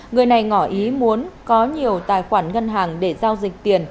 người này ngỏ ý muốn có nhiều tài khoản ngân hàng để giao dịch tiền